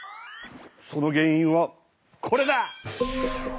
その原いんはこれだ！